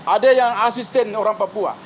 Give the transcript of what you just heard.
ada yang asisten orang papua